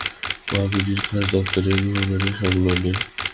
Me বনীর খাস দফতর এই গৃহেরই সংলগ্ন।